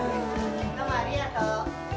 どうもありがとう。